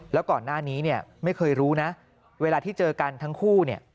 แล้วก่อนหน้านี้เนี่ยไม่เคยรู้นะเวลาที่เจอกันทั้งคู่เนี่ย